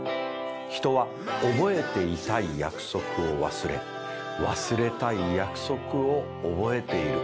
「人は覚えていたい約束を忘れ忘れたい約束を覚えている」